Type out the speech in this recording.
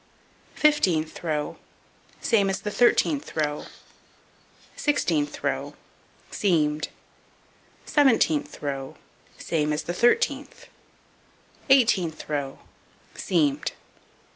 Fifteenth row: Same as the 13th row. Sixteenth row: Seamed. Seventeenth row: Same as the 13th. Eighteenth row: Seamed.